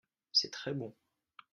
C’est très bon.